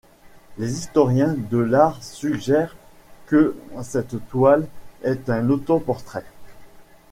Les historiens de l’art suggèrent que cette toile est un autoportrait.